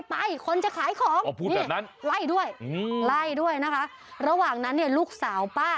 ไปคนจะขายของไล่ด้วยระหว่างนั้นเนี่ยลูกสาวป้า